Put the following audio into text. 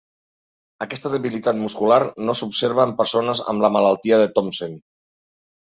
Aquesta debilitat muscular no s'observa en persones amb la malaltia de Thomsen.